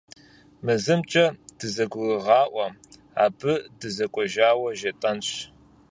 Мы зымкӀэ дызэгурыгъаӀуэ: абы дызэкӀужауэ жетӀэнщ.